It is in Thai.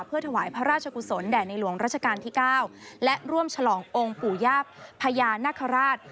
เพื่อถวายพระราชกุศลแด่ในหลวงราชการที่๙และร่วมฉลององค์ปู่ย่าพญานาคาราช